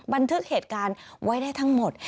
บันทึกเหตุการณ์ไว้ได้ทั้งหมด